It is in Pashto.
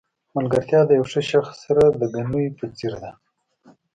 ملګرتیا د یو ښه شخص سره د ګنیو په څېر ده.